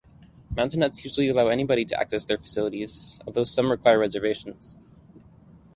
Mountain huts usually allow anybody to access their facilities, although some require reservations.